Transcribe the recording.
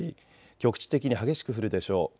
局地的に激しく降るでしょう。